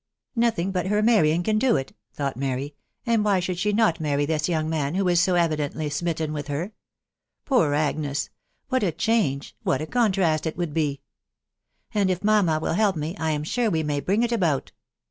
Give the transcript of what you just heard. " Nothing but her marrying can do it," thought Mary ;" and why should she not marry this young man, who is so evidently smitten with her ?.... Poor Agnes !.... What a change — what a contrast it would be !.... And if mamma will help me, I am sure we may bring it about.